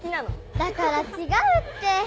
だから違うって！